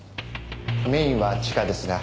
メインは地下ですが。